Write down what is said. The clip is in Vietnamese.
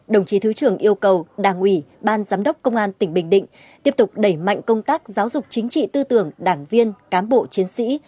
đồng chí thứ trưởng yêu cầu đảng ủy ban giám đốc công an tỉnh bình định tiếp tục đẩy mạnh công tác giáo dục chính trị tư tưởng đảng viên cán bộ chiến sĩ